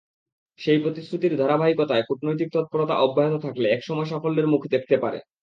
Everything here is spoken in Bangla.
সেই প্রতিশ্রুতির ধারাবাহিকতায় কূটনৈতিক তৎপরতা অব্যাহত থাকলে একসময় সাফল্যের মুখ দেখতে পারে।